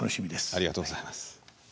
ありがとうございます。